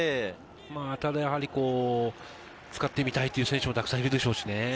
ただやはり使ってみたいという選手もたくさんいるでしょうしね。